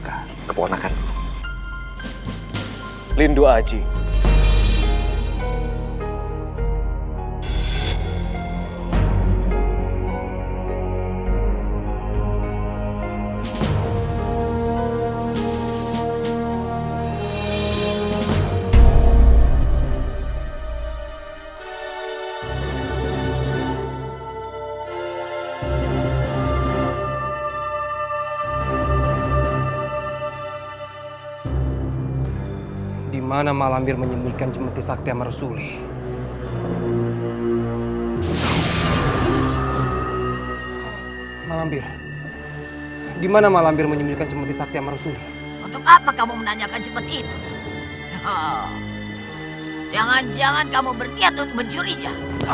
jangan jangan kamu berpiat untuk mencuri dia